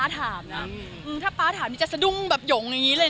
ถ้ามีอะไรจะต้องคุยกับป๊าก่อนอยู่แล้ว